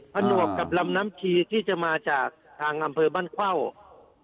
ทะหนวกกับรำน้ำชีที่จะมาจากทางอำเภอบันเคร่าฮะ